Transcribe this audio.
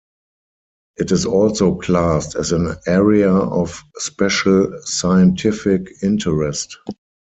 It is also classed as an Area of Special Scientific Interest.